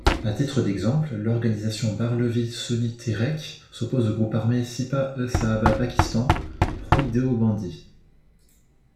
À titre d'exemple, l'organisation barelvie Sunni Tehreek s'oppose au groupe armé Sipah-e-Sahaba Pakistan, pro-deobandi.